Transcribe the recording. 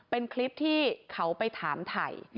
เป็นคลิปที่เขาไปถามถ่าย